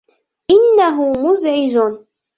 إنهُ مزعج.